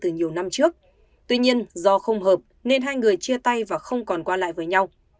từ nhiều năm trước tuy nhiên do không hợp nên hai người chia tay và không còn qua lại với nhau